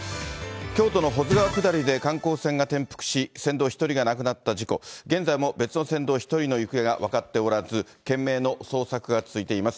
きょうとの保津川下りで観光船が転覆し、船頭１人が亡くなった事故、現在も別の船頭１人の行方が分かっておらず、懸命の捜索が続いています。